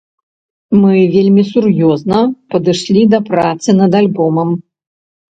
Мы вельмі сур'ёзна падышлі да працы над альбомам.